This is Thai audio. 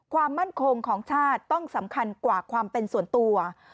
ความมั่นคงของชาติต้องสำคัญกว่าความเป็นส่วนตัว